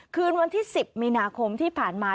คืนวันที่๑๐มีนาคมที่ผ่านมา